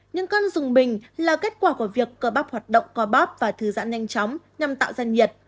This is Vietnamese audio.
nhưng cân dùng bình là kết quả của việc cơ bắp hoạt động có bóp và thư giãn nhanh chóng nhằm tạo ra nhiệt